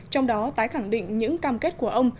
trong đó tái khẳng định những cam kết của ông